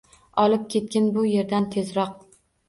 Olib ketgin bu yerdan tezroq.